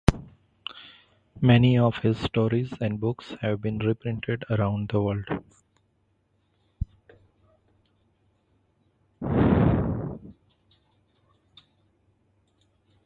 Many of his stories and books have been reprinted around the world.